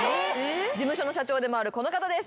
事務所の社長でもあるこの方です